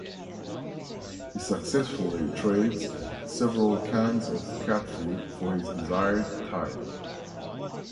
He successfully trades several cans of cat food for his desired time.